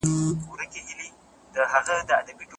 نه تميز د ښو او بدو به اوس كېږي